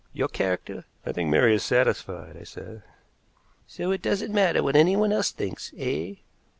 Your character " "I think Mary is satisfied," I said. "So it doesn't matter what anyone else thinks, eh?"